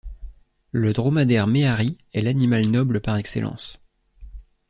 Le dromadaire méhari est l'animal noble par excellence.